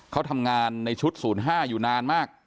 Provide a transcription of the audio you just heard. เขาทำงานในชุด๐๕อยู่นานมาก